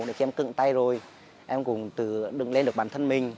đến khi em cựng tay rồi em cũng tự đựng lên được bản thân mình